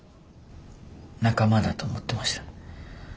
仲間だと思ってました。